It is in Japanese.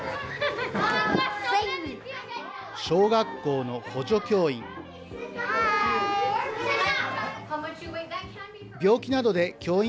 小学校の補助教員。